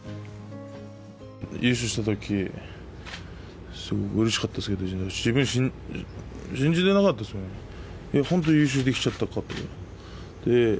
優勝したとき、すごいうれしかったですけど、信じられなかったですよね、本当、優勝できちゃったかと。